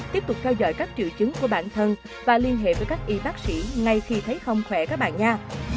tiếp tục theo dõi các triệu chứng của bản thân và liên hệ với các y bác sĩ ngay khi thấy không khỏe các bà nha